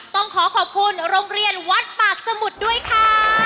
ต้องขอขอบคุณโรงเรียนวัดปากสมุทรด้วยค่ะ